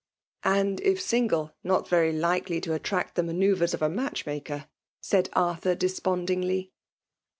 " And if single, not very likely io attract the manoeuvres of a matdi maker,* said Arthur deqpondiBgly.